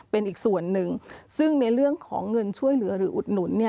เป็นอีกส่วนหนึ่งซึ่งในเรื่องของเงินช่วยเหลือหรืออุดหนุน